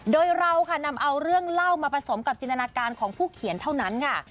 โดยเราค่ะนำเอาเรื่องเล่ามาผสมกับจินตนาการของผู้เขียนเท่านั้นค่ะ